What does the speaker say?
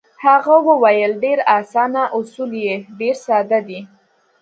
هغه وویل: ډېر اسانه، اصول یې ډېر ساده دي.